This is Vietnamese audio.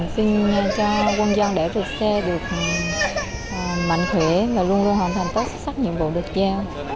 xin cho quân dân để vượt xe được mạnh khỏe và luôn luôn hoàn thành tốt xuất sắc nhiệm vụ được giao